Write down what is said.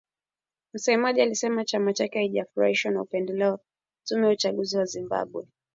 Msemaji alisema chama chake hakijafurahishwa na upendeleo wa tume ya uchaguzi wa Zimbabwe